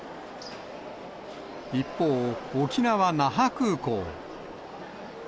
一方、沖縄・那覇空港。